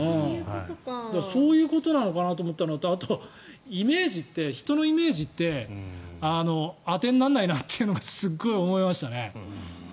そういうことなのかなと思ったのとあと、人のイメージって当てにならないなというのがすごい思いましたね。